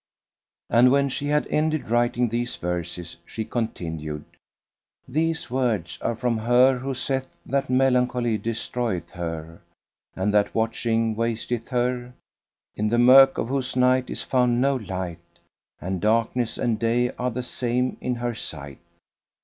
And when she had ended writing the verses she continued, "These words are from her who saith that melancholy destroyeth her and that watching wasteth her; in the murk of whose night is found no light and darkness and day are the same in her sight.